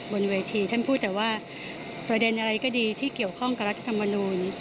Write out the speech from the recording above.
บนเวทีท่านพูดแต่ว่าประเด็นอะไรก็ดีที่เกี่ยวข้องกับรัฐธรรมนูล